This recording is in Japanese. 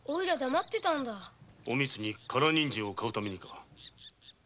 おみつに唐ニンジンを買うためにか？